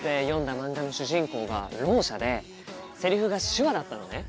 漫画の主人公がろう者でセリフが手話だったのね。